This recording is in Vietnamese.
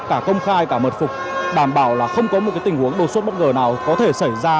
cả công khai cả mật phục đảm bảo là không có một tình huống đột xuất bất ngờ nào có thể xảy ra